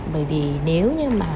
bởi vì nếu như mà